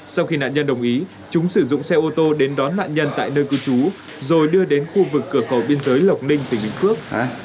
sau khi nạn nhân đồng ý chúng sử dụng xe ô tô đến đón nạn nhân tại nơi cư trú rồi đưa đến khu vực cửa khẩu biên giới lộc ninh tỉnh bình phước